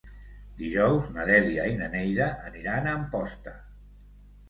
Dijous na Dèlia i na Neida aniran a Amposta.